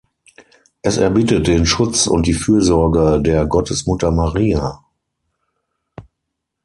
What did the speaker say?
Es erbittet den Schutz und die Fürsorge der Gottesmutter Maria.